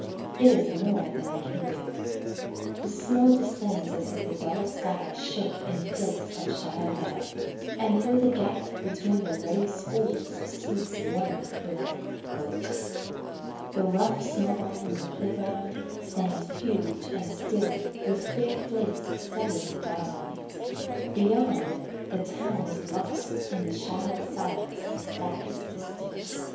It is more than I can bear. The snow descends as if the dull sky shook In flakes of shadow down; and through the gap Between the ruddy schools sweeps one black rook. The rough snowball in the playground stands huge and still With fair flakes settling down on it. Beyond, the town Is lost in the shadowed silence the skies distil.